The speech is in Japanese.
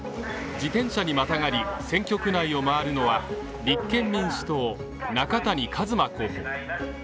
自転車にまたがり選挙区内を回るのは、立憲民主党、中谷一馬候補。